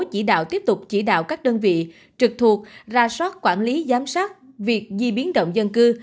chỉ đạo tiếp tục chỉ đạo các đơn vị trực thuộc ra soát quản lý giám sát việc di biến động dân cư